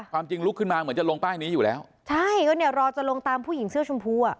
ความจริงลุกขึ้นมาเหมือนจะลงป้ายนี้อยู่แล้วใช่ก็เนี่ยรอจะลงตามผู้หญิงเสื้อชมพูอ่ะ